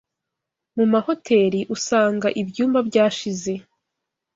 Mu mahoteri usanga ibyumba byashize